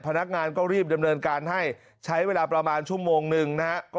พนักงานก็รีบดำเนินการให้ใช้เวลาประมาณชั่วโมงหนึ่งนะฮะ